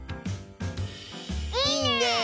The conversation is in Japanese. いいね！